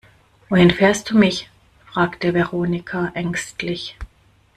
Wohin fährst du mich, fragte Veronika ängstlich.